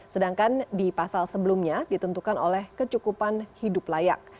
sedangkan di pasal sebelumnya ditentukan oleh kecukupan hidup layak